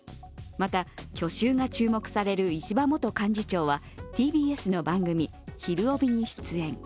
また去就が注目される石破元幹事長はＴＢＳの番組「ひるおび！」に出演。